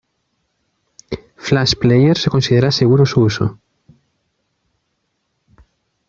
Flash Player se considera seguro su uso.